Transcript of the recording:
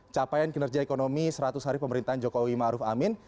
capaian kinerja ekonomi seratus hari pemerintahan jokowi ma'ruf amin